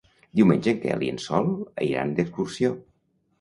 Diumenge en Quel i en Sol iran d'excursió.